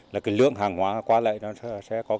lượng hàng hóa qua lại sẽ